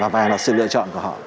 và là sự lựa chọn của họ